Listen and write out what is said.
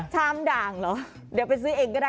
ชามด่างเหรอเดี๋ยวไปซื้อเองก็ได้